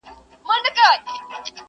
د جرگې ټولو ښاغلو موږكانو٫